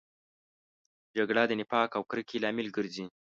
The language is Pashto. جګړه د نفاق او کرکې لامل ګرځي